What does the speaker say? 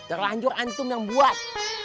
terlanjur antum yang buat